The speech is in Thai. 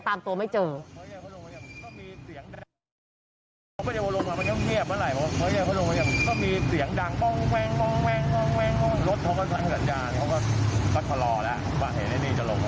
แล้วก็ต่อครอบครับว่าเหน่ที่นี่จะลง